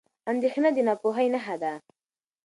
اندېښنه د ناپوهۍ نښه ده.